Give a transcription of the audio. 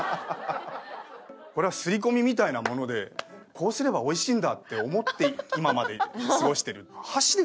これは刷り込みみたいなものでこうすればおいしいんだって思って今まで過ごしてる。